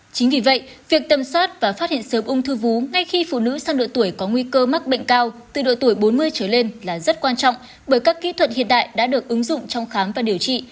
chính vì vậy việc tầm soát và phát hiện sớm ung thư vú ngay khi phụ nữ sang độ tuổi có nguy cơ mắc bệnh cao từ độ tuổi bốn mươi trở lên là rất quan trọng bởi các kỹ thuật hiện đại đã được ứng dụng trong khám và điều trị